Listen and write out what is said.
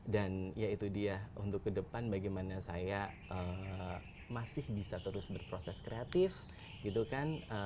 dan ya itu dia untuk ke depan bagaimana saya masih bisa terus berproses kreatif gitu kan